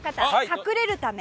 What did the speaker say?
隠れるため。